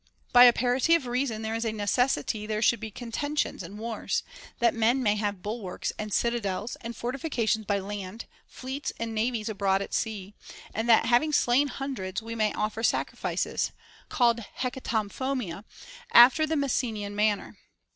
By a parity of reason there is a necessity there should be contentions and wars, that men may have bul warks and citadels and fortifications by land, fleets and navies abroad at sea, and that having slain hundreds, we may offer sacrifices (called Hecatomphonia) after the Messenian manner.